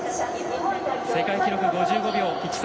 世界記録５５秒１３。